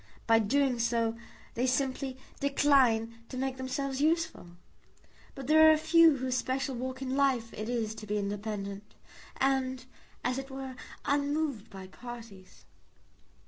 By doing so they simply decline to make themselves useful. But there are a few whose special walk in life it is to be independent, and, as it were, unmoved by parties."